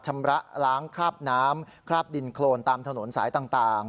ชำระล้างคราบน้ำคราบดินโครนตามถนนสายต่าง